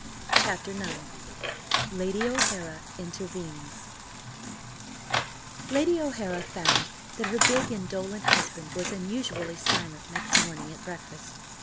CHAPTER IX LADY O'HARA INTERVENES LADY O'HARA found that her big, indolent husband was unusually silent next morning at breakfast.